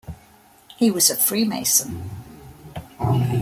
He was a freemason.